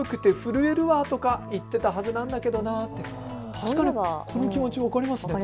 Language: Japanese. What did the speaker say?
確かにこの気持ち、分かりますね。